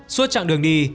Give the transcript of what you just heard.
suốt chặng đường đi